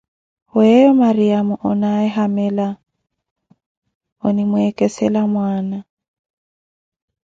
Weyo Maryamo, onaaye hamila, onimweekesela mwana.